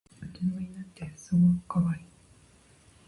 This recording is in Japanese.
うちの犬ってすごいかわいい